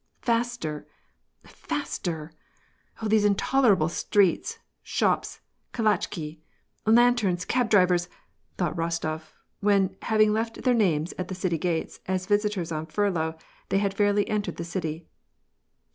" Faster ! Faster ! oh, these intolerable streets, shops, ka latehif* lanterns, cab^irivers !" thought Kostof, when, having left their names at the city gates, as visitors on furlough, they had fairly entered the city.